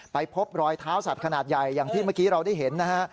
พบรอยเท้าสัตว์ขนาดใหญ่อย่างที่เมื่อกี้เราได้เห็นนะฮะ